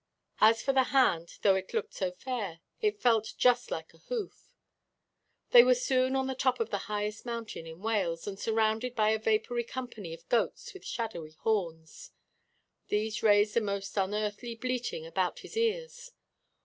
As for the hand, though it looked so fair, it felt just like a hoof. They were soon on the top of the highest mountain in Wales, and surrounded by a vapoury company of goats with shadowy horns. These raised a most unearthly bleating about his ears.